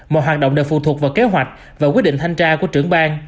mọi hoạt động đều phụ thuộc vào kế hoạch và quyết định thanh tra của trưởng bang